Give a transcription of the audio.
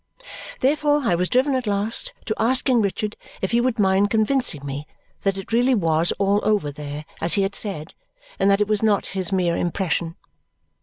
Therefore I was driven at last to asking Richard if he would mind convincing me that it really was all over there, as he had said, and that it was not his mere impression.